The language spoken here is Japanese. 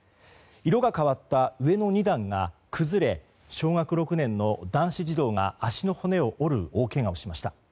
色が変わった上の２段が崩れ小学６年の男子児童が足の骨を折る大けがをしました。